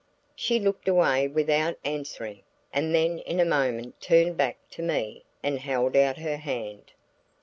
She looked away without answering, and then in a moment turned back to me and held out her hand.